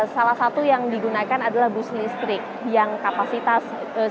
salah satu yang digunakan adalah bus listrik yang kapasitas